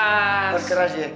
harus keras ya